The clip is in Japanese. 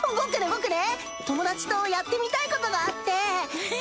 僕ね友達とやってみたいことがあってへえ